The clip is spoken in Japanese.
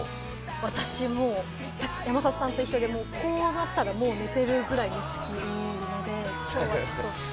私も山里さんと一緒で、こうなったら、もう寝てるぐらい寝付きがいいので。